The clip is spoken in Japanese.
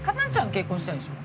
結婚したいんでしょ？